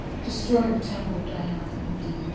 " Destroy the temple of Diana indeed